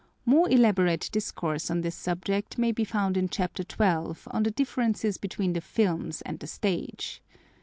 More elaborate discourse on this subject may be found in chapter twelve on the differences between the films and the stage.